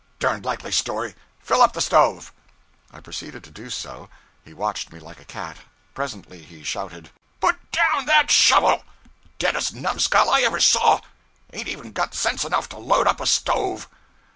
'Derned likely story! Fill up the stove.' I proceeded to do so. He watched me like a cat. Presently he shouted 'Put down that shovel! Deadest numskull I ever saw ain't even got sense enough to load up a stove.'